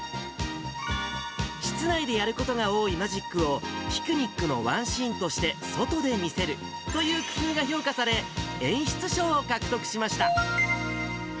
室内でやることが多いマジックを、ピクニックのワンシーンとして、外で見せるという工夫が評価され、演出賞を獲得しました。